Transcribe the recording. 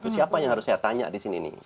siapa yang harus saya tanya disini